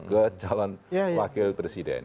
ke calon pakil presiden